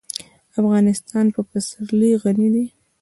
افغانستان په پسرلی غني دی.